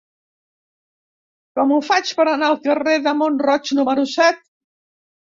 Com ho faig per anar al carrer de Mont-roig número set?